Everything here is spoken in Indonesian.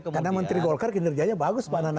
karena menteri golkar kinerjanya bagus pak nana